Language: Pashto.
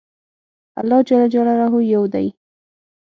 الله ج يو دی